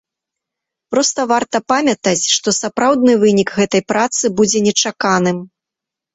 Проста варта памятаць, што сапраўдны вынік гэтай працы будзе нечаканым.